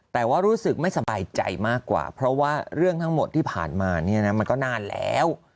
แต่ว่ารู้สึกไม่สบายใจมากกว่าเพราะว่าเรื่องทั้งหมดที่ผ่านมาเนี่ยนะมันก็นานแล้ว